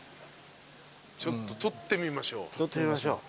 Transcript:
ちょっと撮ってみましょう。